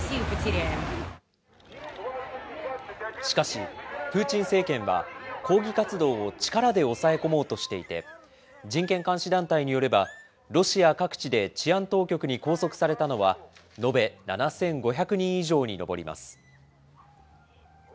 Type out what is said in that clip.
しかし、プーチン政権は抗議活動を力で抑え込もうとしていて、人権監視団体によれば、ロシア各地で治安当局に拘束されたのは、延べ７５００人以上に上ります。